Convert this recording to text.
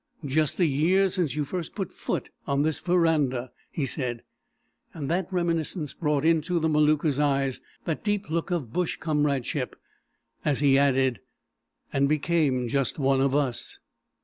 "Just a year since you first put foot on this verandah," he said, and that reminiscence brought into the Maluka's eyes that deep look of bush comradeship, as he added: "And became just One of Us."